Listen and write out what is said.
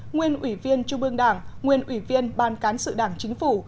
nguyên ủy viên chung bương đảng nguyên ủy viên ban cán sự đảng chính phủ